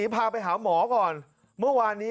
พาไปหาหมอก่อนเมื่อวานนี้